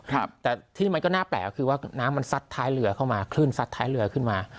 แต่ที่มันก็น่าแปลกก็คือว่าน้ำมันซัดท้ายเรือเข้ามาคลื่นซัดท้ายเรือขึ้นมา